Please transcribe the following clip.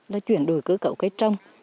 là chuyển đổi cơ cầu cây trồng